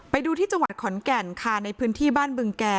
ไปดูที่จังหวัดขอนแก่นค่ะในพื้นที่บ้านบึงแก่